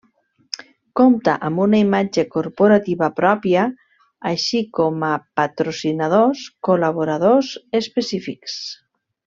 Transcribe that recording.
Compta amb una imatge corporativa pròpia, així com a patrocinadors col·laboradors específics.